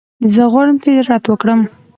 زه غواړم تجارت وکړم